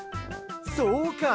そうか！